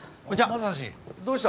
正史どうした？